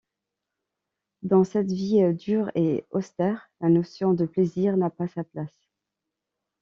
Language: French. Dans cette vie dure et austère, la notion de plaisir n’a pas sa place.